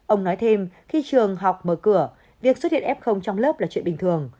ông nói thêm khi trường học mở cửa việc xuất hiện f trong lớp là chuyện bình thường